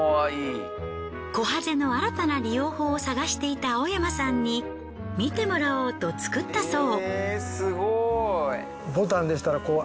こはぜの新たな利用法を探していた青山さんに見てもらおうと作ったそう。